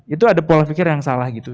itu ada pola pikir yang salah gitu